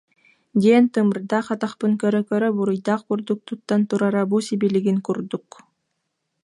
диэн тымырдаах атахпын көрө-көрө буруйдаах курдук туттан турара бу сибилигин курдук